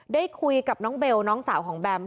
ได้คุยกับน้องเบลน้องสาวของแบม